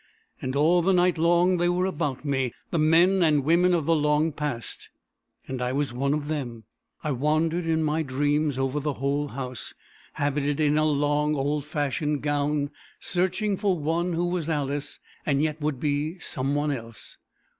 And all the night long they were about me the men and women of the long past. And I was one of them. I wandered in my dreams over the whole house, habited in a long old fashioned gown, searching for one who was Alice, and yet would be some one else.